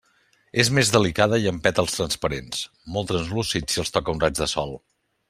És més delicada i amb pètals transparents, molt translúcids si els toca un raig de sol.